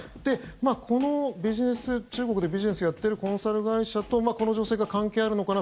この中国でビジネスをやってるコンサル会社とこの女性が関係あるのかな